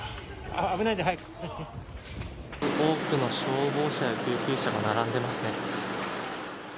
多くの消防車や救急車が並んでますね。